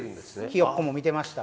「ひよっこ」も見てました。